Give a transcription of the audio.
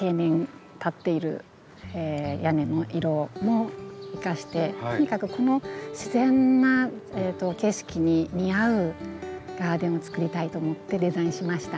屋根の色も生かしてとにかくこの自然な景色に似合うガーデンをつくりたいと思ってデザインしました。